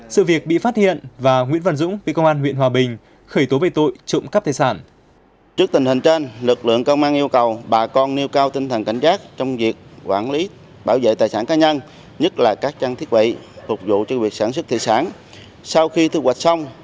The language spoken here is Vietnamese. sự việc bị phát hiện và nguyễn văn dũng bị công an huyện hòa bình khởi tố về tội trộm cắp tài sản